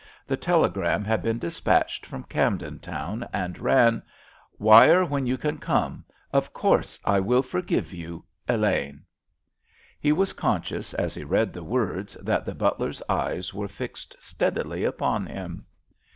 The telegram had been dispatched from Camden Town, and ran: "Wire when you can come. Of course I will forgive you.—ELAINE." He was conscious, as he read the words, that the butler's eyes were fixed steadily upon him.